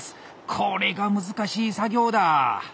これが難しい作業だ。